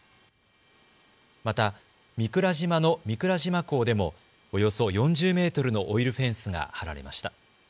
また御蔵島の御蔵島港でもおよそ４０メートルのオイルフェンスが張られました。